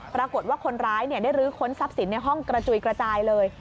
ปรากฏว่าคนร้ายได้ลื้อค้นทรัพย์สินในห้องกระจุยกระจายเลย